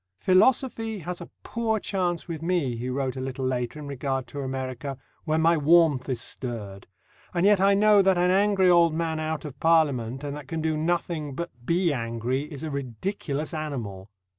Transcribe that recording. "Philosophy has a poor chance with me," he wrote a little later in regard to America, "when my warmth is stirred and yet I know that an angry old man out of Parliament, and that can do nothing but be angry, is a ridiculous animal."